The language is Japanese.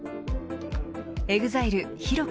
ＥＸＩＬＥＨＩＲＯ